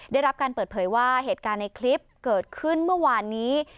ได้รับการเปิดเผยว่าเหตุการณ์ในคลิปเกิดขึ้นเมื่อวานนี้